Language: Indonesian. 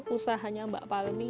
usahanya mbak palmi